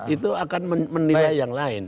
itu akan menilai